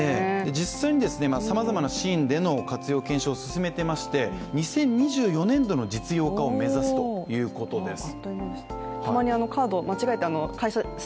実際にさまざまなシーンでの活用検証を進めてまして２０２４年度の実用化を目指すということです。